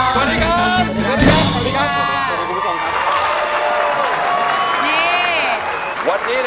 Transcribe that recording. สวัสดีครับสวัสดีครับสวัสดีครับ